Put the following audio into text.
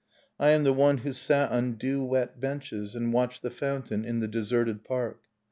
I am the one who sat on dew wet benches And watched the fountain in the deserted park.